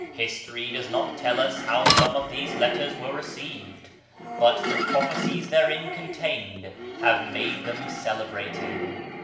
History does not tell us how some of these letters were received, but the prophecies therein contained have made them celebrated.